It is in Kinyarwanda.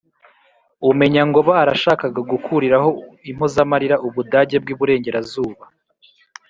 umenya ngo barashakaga gukuriraho impozamarira ubudage bw' iburengerazuba